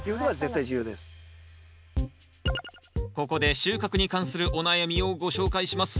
ここで収穫に関するお悩みをご紹介します。